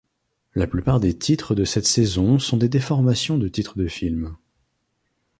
La plupart des titres de cette saison sont des déformations de titre de film.